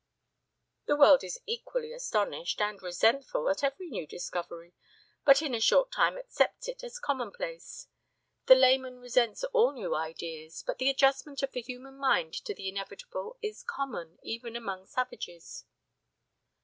"The world is equally astonished and resentful at every new discovery, but in a short time accepts it as a commonplace. The layman resents all new ideas, but the adjustment of the human mind to the inevitable is common even among savages."